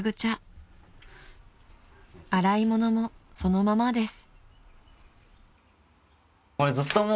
［洗い物もそのままです］